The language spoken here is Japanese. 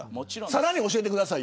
さらに教えてください。